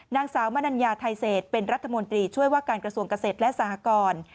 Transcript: นางสาวมนัญญาไทยเศษเป็นรัฐมนตรีช่วยว่าการกระทรวงเกษตรและสหกร